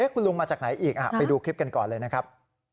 คุณลุงมาจากไหนอีกไปดูคลิปกันก่อนเลยนะครับ